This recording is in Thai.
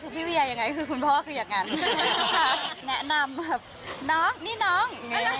คือพี่เวียยังไงคือคุณพ่อคืออย่างนั้นแนะนำแบบน้องนี่น้อง